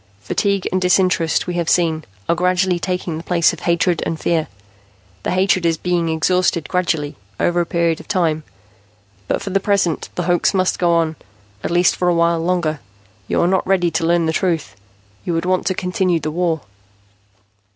Fatigue and disinterest, we have seen, are gradually taking the place of hatred and fear. The hatred is being exhausted gradually, over a period of time. But for the present, the hoax must go on, at least for a while longer. You are not ready to learn the truth. You would want to continue the war."